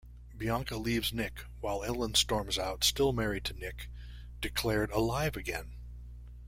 Bianca leaves Nick, while Ellen storms out, still married to Nick, declared alive again.